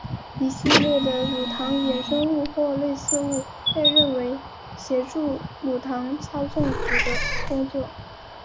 一系列的乳糖衍生物或类似物被认为协助乳糖操纵子的工作。